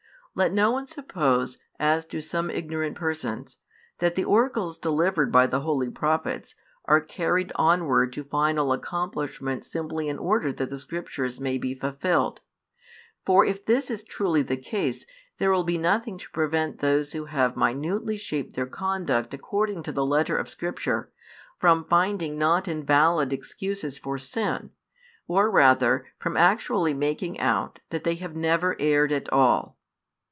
Let no one suppose, as do some ignorant persons, that the oracles delivered by the holy prophets are carried onward to final accomplishment simply in order that the Scriptures may be fulfilled. For if this is truly the case, there will be nothing to prevent those who have minutely shaped their conduct according to the letter of Scripture, from finding not invalid excuses for sin, or rather from actually making out that they have never erred at all.